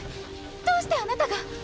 どうしてあなたが！